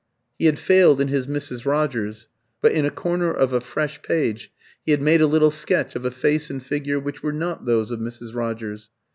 He had failed in his Mrs. Rogers; but in a corner of a fresh page he had made a little sketch of a face and figure which were not those of Mrs. Rogers.